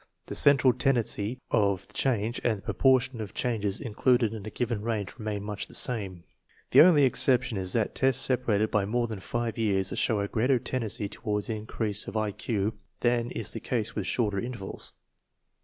The central tendency of change and the proportion of changes included in a given range remain much the same. The only excep tion is that tests separated by more than five years show a greater tendency toward increase of I Q than is the case with shorter intervals.